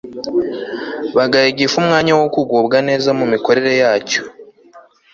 bagaha igifu umwanya wo kugubwa neza mu mikorere yacyo